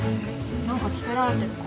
何か付けられてるかも。